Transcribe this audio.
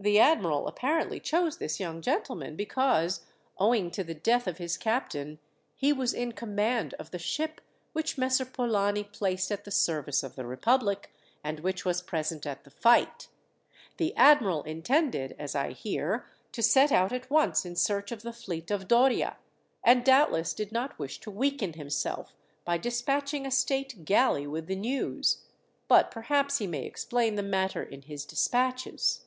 "The admiral apparently chose this young gentleman because, owing to the death of his captain, he was in command of the ship which Messer Polani placed at the service of the republic, and which was present at the fight. The admiral intended, as I hear, to set out at once in search of the fleet of Doria, and doubtless did not wish to weaken himself by despatching a state galley with the news. But perhaps he may explain the matter in his despatches."